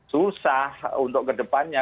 susah untuk kedepannya